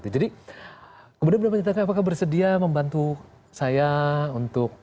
jadi kemudian beliau menanyakan apakah bersedia membantu saya untuk